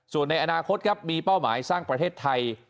ส่วนในอนาคตครับมีเป้าหมายสร้างประเทศไทย